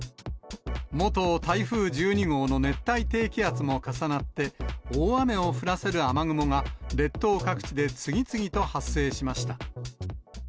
元台風１２号の熱帯低気圧も重なって、大雨を降らせる雨雲が列島各地で次々と発生しました。